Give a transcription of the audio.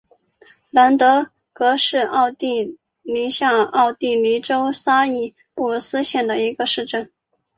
兰德格是奥地利下奥地利州沙伊布斯县的一个市镇。